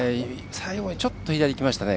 最後ちょっと左にいきましたね。